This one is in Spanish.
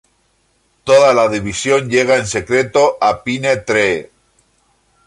Toda la división llega en secreto a Pine Tree.